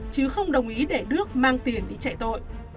chứ không đồng ý để đước mang tiền đi chạy tội